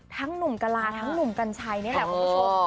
ทั้งหนุ่มกะลาทั้งหนุ่มกัญชัยเนี่ยแหละผมชอบ